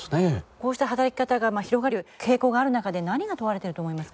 こうした働き方が広がる傾向がある中で何が問われてると思いますか？